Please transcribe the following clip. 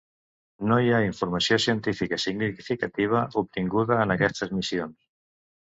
No hi ha informació científica significativa obtinguda en aquestes missions.